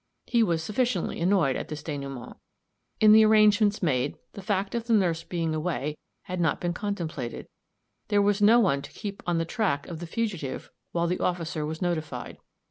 He was sufficiently annoyed at this dénoûement. In the arrangements made, the fact of the nurse being away had not been contemplated; there was no one to keep on the track of the fugitive while the officer was notified.